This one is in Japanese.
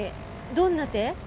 どんな手？